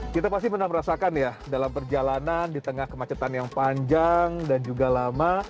kita pasti pernah merasakan ya dalam perjalanan di tengah kemacetan yang panjang dan juga lama